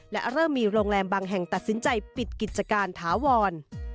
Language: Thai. และเริ่มมีโรงแรมบางแห่งตัดสินใจปิดกิจการถาวร